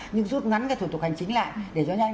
nhưng rút ngắn cái thủ tục hành chính lại để cho nhanh